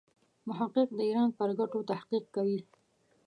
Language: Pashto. محقق د ایران پر ګټو تحقیق کوي.